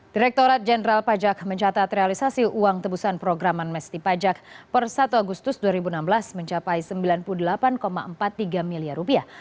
direkturat jenderal pajak mencatat realisasi uang tebusan program amnesti pajak per satu agustus dua ribu enam belas mencapai sembilan puluh delapan empat puluh tiga miliar rupiah